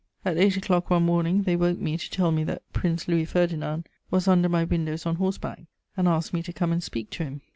At eight o'clock one morning, they woke me to tell me that Prince Louis Ferdinand was under my windows on horse back, and asked me to come and speak to him....